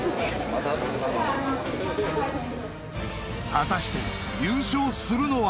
・［果たして優勝するのは？］